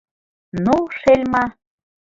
— Ну, шельма...